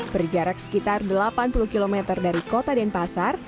berjarak sekitar delapan puluh km dari kota denpasar